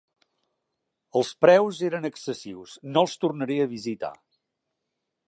Els preus eren excessius, no els tornaré a visitar.